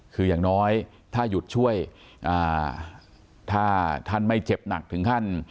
คืออย่างน้อยถ้าหยุดช่วยถ้าท่านไม่เจ็บหนักถึงขั้น